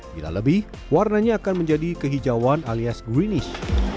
bila lebih warnanya akan menjadi kehijauan alias greenish